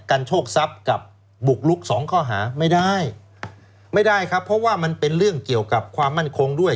โชคทรัพย์กับบุกลุกสองข้อหาไม่ได้ไม่ได้ครับเพราะว่ามันเป็นเรื่องเกี่ยวกับความมั่นคงด้วย